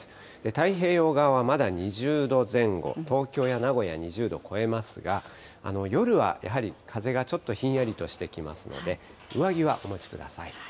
太平洋側はまだ２０度前後、東京や名古屋、２０度超えますが、夜はやはり風がちょっとひんやりとしてきますので、上着はお持ちください。